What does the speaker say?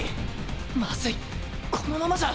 まずいこのままじゃ。